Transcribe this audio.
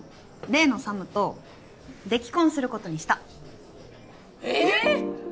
例のサムとデキ婚することにしたえーっ！？